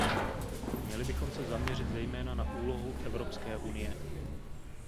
Měli bychom se zaměřit zejména na úlohu Evropské unie.